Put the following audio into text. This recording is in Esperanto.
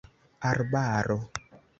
arbaro